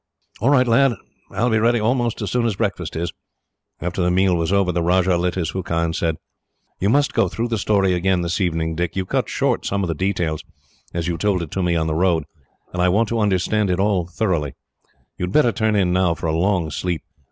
"All right, lad. I will be ready almost as soon as breakfast is." After the meal was over, the Rajah lit his hookah, and said: "You must go through the story again, this evening, Dick. You cut short some of the details, as you told it to me on the road, and I want to understand it all thoroughly. You had better turn in now for a long sleep.